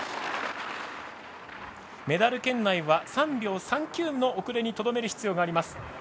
メダル圏内は３秒３９の遅れにとどめる必要があります。